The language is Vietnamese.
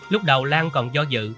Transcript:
lúc đầu lan còn do dự